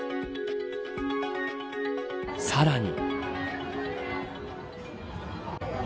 さらに。